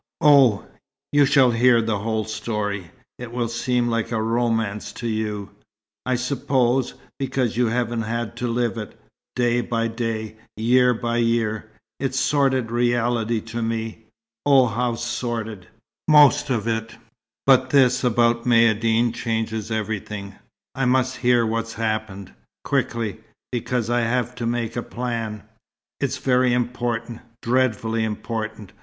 Oh, you shall hear the whole story. It will seem like a romance to you, I suppose, because you haven't had to live it, day by day, year by year. It's sordid reality to me oh, how sordid! most of it. But this about Maïeddine changes everything. I must hear what's happened quickly because I shall have to make a plan. It's very important dreadfully important.